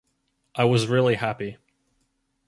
I was really happy.